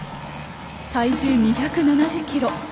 体重２７０キロ。